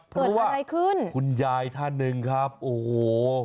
เพราะว่าคุณยายท่านหนึ่งครับโอ้โห